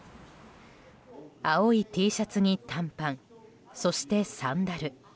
青いＴシャツに短パンそしてサンダル。